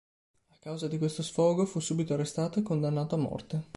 A causa di questo sfogo, fu subito arrestato e condannato a morte.